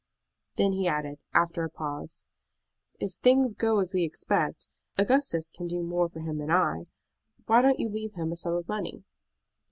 Then he added, after a pause, "If things go as we expect, Augustus can do more for him than I. Why don't you leave him a sum of money?"